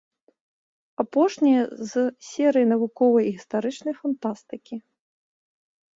Апошнія з серыі навуковай і гістарычнай фантастыкі.